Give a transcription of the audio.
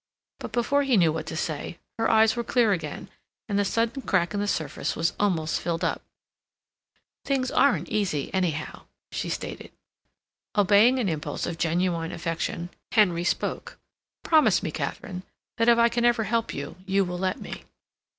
But before he knew what to say, her eyes were clear again, and the sudden crack in the surface was almost filled up. "Things aren't easy, anyhow," she stated. Obeying an impulse of genuine affection, Henry spoke. "Promise me, Katharine, that if I can ever help you, you will let me."